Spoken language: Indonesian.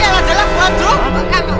yalah jalan jalan jalan